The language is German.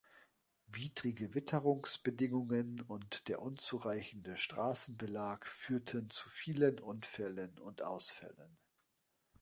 Widrige Witterungsbedingungen und der unzureichende Straßenbelag führten zu vielen Unfällen und Ausfällen.